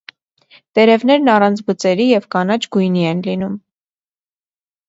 Տերևներն առանց բծերի և կանաչ գույնի են լինում։